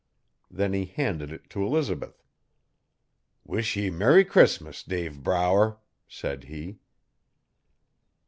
Then he handed it to Elizabeth. 'Wish ye Merry Christmas, Dave Brower!' said he.